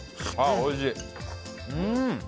おいしい！